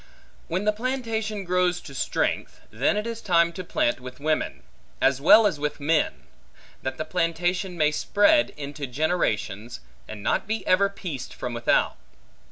When the plantation grows to strength, then it is time to plant with women, as well as with men; that the plantation may spread into generations, and not be ever pieced from without.